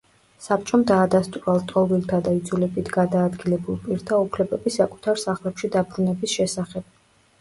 საბჭომ დაადასტურა ლტოლვილთა და იძულებით გადაადგილებულ პირთა უფლებები საკუთარ სახლებში დაბრუნების შესახებ.